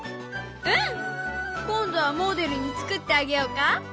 うん！今度はもおでるに作ってあげようか？